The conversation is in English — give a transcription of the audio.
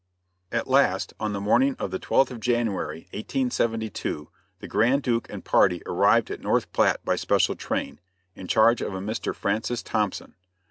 ] At last, on the morning of the 12th of January, 1872, the Grand Duke and party arrived at North Platte by special train; in charge of a Mr. Francis Thompson.